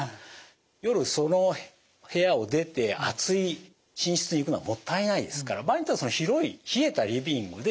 夜その部屋を出て暑い寝室に行くのはもったいないですから場合によってはその広い冷えたリビングで